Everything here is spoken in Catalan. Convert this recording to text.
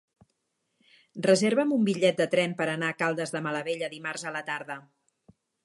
Reserva'm un bitllet de tren per anar a Caldes de Malavella dimarts a la tarda.